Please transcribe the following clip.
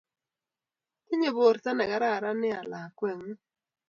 Tinye porto ne kararan nea lakweng'ung'